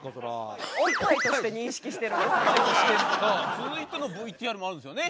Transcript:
続いてのＶＴＲもあるんですよね。